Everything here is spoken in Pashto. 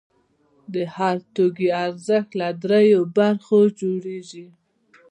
د هر توکي ارزښت له درېیو برخو جوړېږي